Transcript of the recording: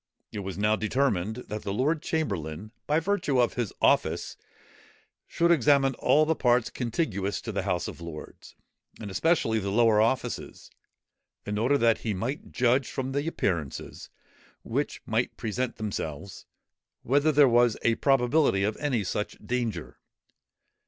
It was now determined, that the lord chamberlain, by virtue of his office, should examine all the parts contiguous to the House of Lords, and especially the lower offices, in order that he might judge, from the appearances, which might present themselves, whether there was a probability of any such danger.